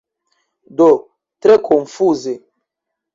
Do tre konfuze.